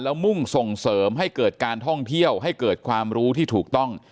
แล้วมุ่งส่งเสริมให้เกิดการท่องเที่ยวให้เกิดความรู้ที่ถูกต้อง